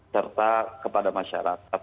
serta kepada masyarakat